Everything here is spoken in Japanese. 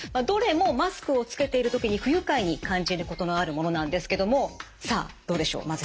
どれもマスクをつけている時に不愉快に感じることのあるものなんですけどもさあどうでしょう？